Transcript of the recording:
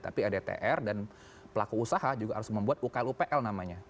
tapi edtr dan pelaku usaha juga harus membuat ukl upl namanya